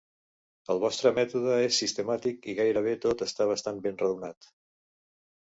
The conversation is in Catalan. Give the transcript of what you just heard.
El vostre mètode és sistemàtic i gairebé tot està bastant ben raonat.